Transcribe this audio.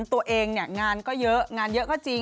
ว่าตัวเองหงานก็เยอะนะเยอะก็จริง